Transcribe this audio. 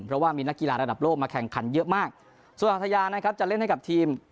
เพราะว่ามีนักกีฬาระดับโลกมาแข่งขันเยอะมากส่วนอัธยานะครับจะเล่นให้กับทีม